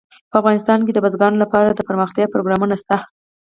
په افغانستان کې د بزګانو لپاره دپرمختیا پروګرامونه شته.